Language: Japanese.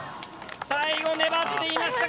最後ねばっていました。